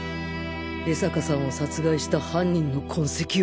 江坂さんを殺害した犯人の痕跡を